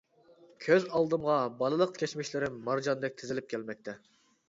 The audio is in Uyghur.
كۆز ئالدىمغا بالىلىق كەچمىشلىرىم مارجاندەك تىزىلىپ كەلمەكتە.